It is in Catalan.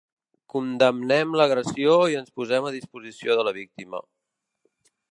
Condemnem l’agressió i ens posem a disposició de la víctima.